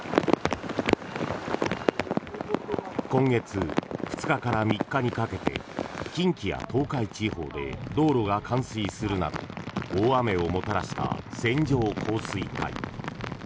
今月２日から３日にかけて近畿や東海地方で道路が冠水するなど大雨をもたらした線状降水帯。